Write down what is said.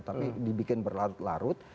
tapi dibikin berlarut larut